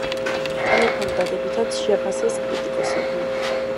ტელეფონი დადებითად შეაფასეს კრიტიკოსებმა.